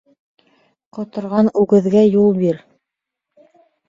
Ҡоторған үгеҙгә юл бир.